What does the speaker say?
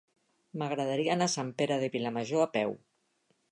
M'agradaria anar a Sant Pere de Vilamajor a peu.